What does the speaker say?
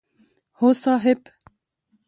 هو صاحب!